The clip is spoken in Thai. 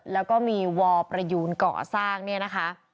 แล้วก็มีวอประยูนก่อสร้างเนี่ยนะคะ